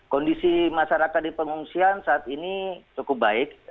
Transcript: kondisi masyarakat di pengungsian saat ini cukup baik